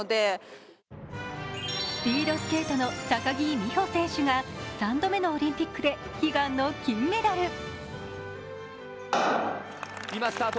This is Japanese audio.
スピードスケートの高木美帆選手が３度目のオリンピックで悲願の金メダル。